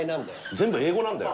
全部英語なんだよ。